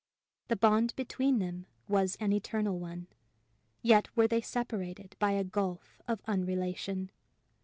The bond between them was an eternal one, yet were they separated by a gulf of unrelation.